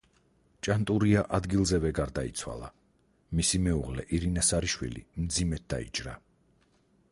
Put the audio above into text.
ჭანტურია ადგილზევე გარდაიცვალა, მისი მეუღლე ირინა სარიშვილი მძიმედ დაიჭრა.